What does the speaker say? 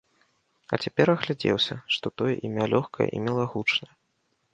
А цяпер агледзеўся, што тое імя лёгкае і мілагучнае.